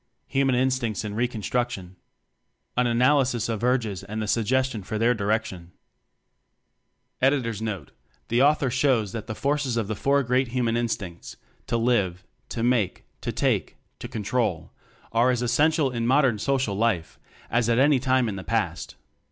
Human Instincts in Reconstruction. An Analysis of Urges and a Suggestion For Their Direction. By William Henry Smyth Note The author shows that the forces of the four great human instincts to live, to make, to take, to control are as essential in mod ern social life as at any time in the past.